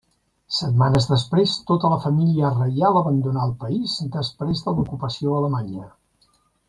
Setmanes després tota la família reial abandonà el país després de l'ocupació alemanya.